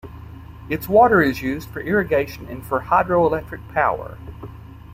Its water is used for irrigation and for hydroelectric power.